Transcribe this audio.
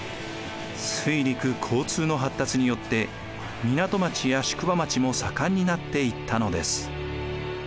水陸交通の発達によって港町や宿場町も盛んになっていったのです。